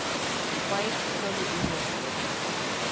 কয়েকটি দলে বিভক্ত।